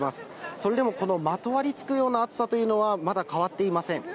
それでもこのまとわりつくような暑さというのは、まだ変わっていません。